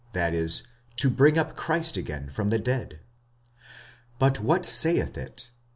(that is, to bring up Christ again from the dead.) 45:010:008 But what saith it?